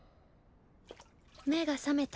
目が覚めた？